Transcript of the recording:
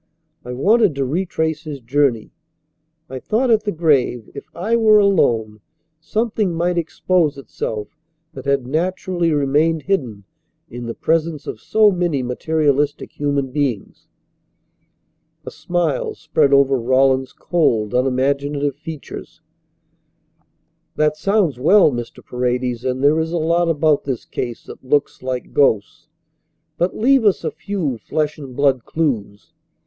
I wanted to retrace his journey. I thought at the grave, if I were alone, something might expose itself that had naturally remained hidden in the presence of so many materialistic human beings." A smile spread over Rawlins's cold, unimaginative features. "That sounds well, Mr. Paredes, and there is a lot about this case that looks like ghosts, but leave us a few flesh and blood clues.